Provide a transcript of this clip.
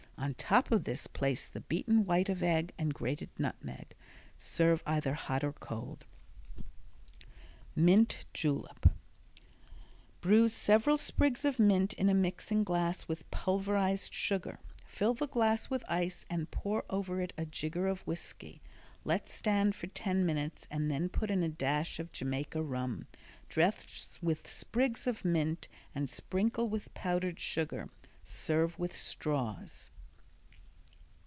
On top of this place the beaten white of egg and grated nutmeg. Serve either hot or cold. Mint Julep Bruise several sprigs of mint in a mixing glass with pulverized sugar. Fill the glass with ice and pour over it a jigger of whisky. Let stand for ten minutes and then put in a dash of Jamaica rum. Dress with sprigs of mint, and sprinkle with powdered sugar. Serve with straws.